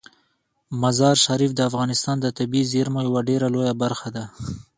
مزارشریف د افغانستان د طبیعي زیرمو یوه ډیره لویه برخه ده.